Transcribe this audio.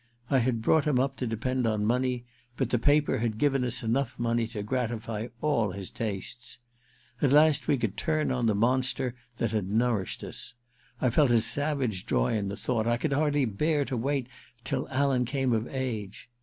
I had brought him up to depend on money, but the paper had given us enough money to gratify all his tastes. At last we could turn on the monster that had nourished us. I felt a savage joy in the thought — I could hardly bear to wait till Alan came of age.